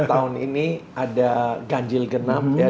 tahun ini ada ganjil genap ya